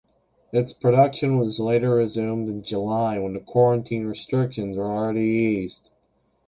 Its production was later resumed in July when the quarantine restrictions were already eased.